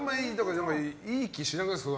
いい気しなくないですか？